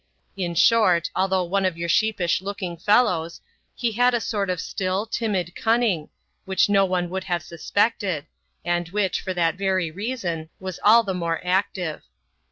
In short, although one of your sheepish looking fellows, he had a sort of still, timid cunning, which no one would have suspected, and which, for that very reason, was all the more active.